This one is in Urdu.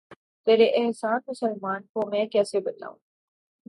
تیرے احسان مسلماں کو میں کیسے بتاؤں